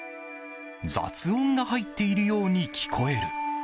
雑音が入っているように聞こえる。